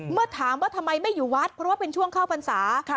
เมื่อถามว่าทำไมไม่อยู่วัดเพราะว่าเป็นช่วงเข้าพรรษา